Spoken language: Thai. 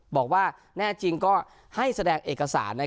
บอกว่าแน่จริงก็ให้แสดงเอกสาร